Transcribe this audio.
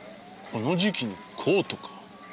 この時期にコートか？